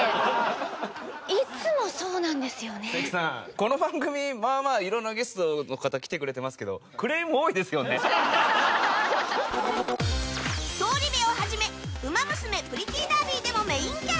この番組まあまあ色んなゲストの方来てくれてますけど『東リベ』を始め『ウマ娘プリティーダービー』でもメインキャラ